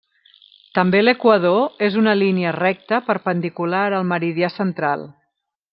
També l'equador és una línia recta, perpendicular al meridià central.